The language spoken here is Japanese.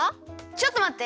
ちょっとまって！